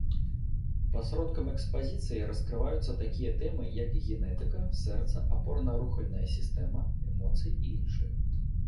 Пасродкам экспазіцыі раскрываюцца такія тэмы, як генетыка, сэрца, апорна-рухальная сістэма, эмоцыі і іншыя.